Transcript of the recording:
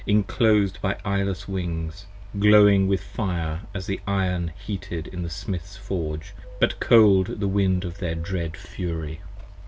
Inclosed by eyeless Wings, glowing with fire as the iron Heated in the Smith's forge, but cold the wind of their dread Fury.